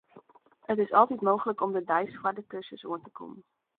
It is altyd mooglik om de deis foar de kursus oan te kommen.